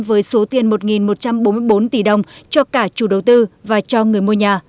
với số tiền một một trăm bốn mươi bốn tỷ đồng cho cả chủ đầu tư và cho người mua nhà